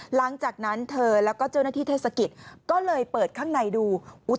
หลังจากนั้นเธอแล้วก็เจ้าหน้าที่เทศกิจก็เลยเปิดข้างในดู